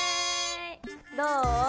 どう？